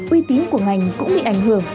uy tín của ngành cũng bị ảnh hưởng